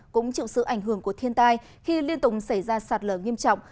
cũng chịu sự ảnh hưởng của thiên tai khi liên tục xảy ra sạt lở nghiêm trọng